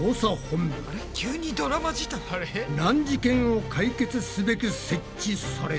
難事件を解決すべく設置された。